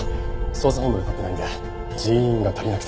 捜査本部が立ってないんで人員が足りなくて。